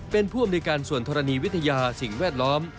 เป็นผู้อำนวยการส่วนธรณีวิทยาสิ่งแวดล้อม